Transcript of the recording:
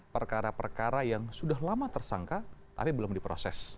perkara perkara yang sudah lama tersangka tapi belum diproses